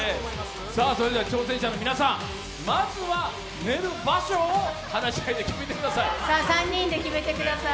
挑戦者の皆さん、まずは寝る場所を話し合いで決めてください。